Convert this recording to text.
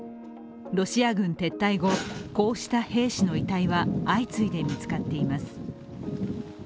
ロシア軍撤退後、こうした兵士の遺体は相次いで見つかっています。